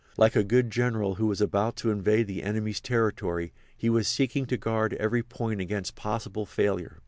Like a good general who was about to invade the enemy's territory he was seeking to guard every point against possible failure.